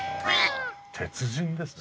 鉄人ですね。